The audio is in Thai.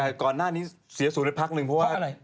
แต่ก่อนหน้านี้เสียสูงในพักหนึ่งเพราะว่า